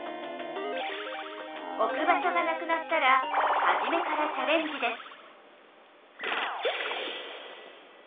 おく場しょがなくなったらはじめからチャレンジです